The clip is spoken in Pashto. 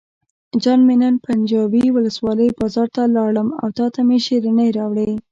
جان مې نن پنجوایي ولسوالۍ بازار ته لاړم او تاته مې شیرینۍ راوړې.